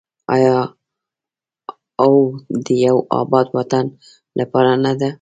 آیا او د یو اباد وطن لپاره نه ده؟